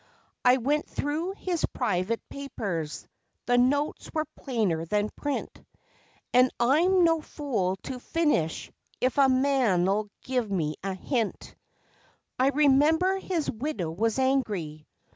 I went through his private papers; the notes was plainer than print; And I'm no fool to finish if a man'll give me a hint. (I remember his widow was angry.)